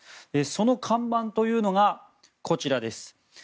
その看板というのがこちらです。